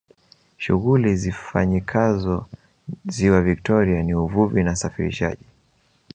shughuli zifanyikazo ziwa victoria ni uvuvi na safirishaji